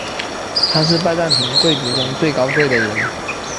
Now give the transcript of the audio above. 他是拜占庭贵族中最高贵的人。